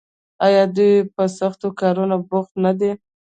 آیا دوی په سختو کارونو کې بوخت نه دي؟